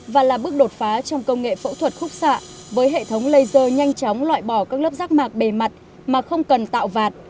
và là bước đột phá trong công nghệ phẫu thuật khúc xạ với hệ thống laser nhanh chóng loại bỏ các lớp rác mạc bề mặt mà không cần tạo vạt